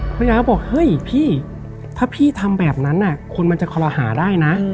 ภรรยาก็บอกเฮ้ยพี่ถ้าพี่ทำแบบนั้นคนมันจะคอลหาได้นะ